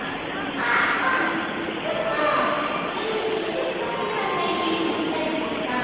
ああうん実は急に親戚のおじさんが家に来ちゃってさあ。